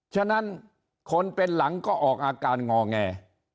ฉะนั้นคนเป็นหลังก็ออกอาการงอแง